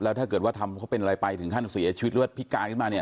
ถ้าเกิดว่าทำเขาเป็นอะไรไปถึงขั้นเสียชีวิตหรือว่าพิการขึ้นมาเนี่ย